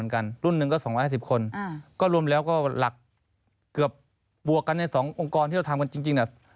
ก็รวมแล้วก็หลักเกือบปลวกกันในสององค์กรที่เราทำจริงเนี่ย